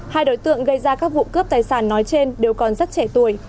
hai đối tượng gây ra các vụ cướp tài sản nói trên đều còn rất trẻ tuổi